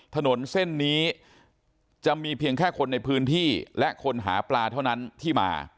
ถนนเส้นนี้จะมีเพียงแค่คนในพื้นที่และคนหาปลาเท่านั้นที่มา